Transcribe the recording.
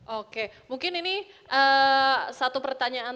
oke mungkin ini satu pertanyaan